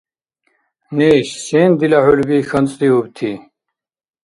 – Неш, сен дила хӀулби хьанцӀдиубти?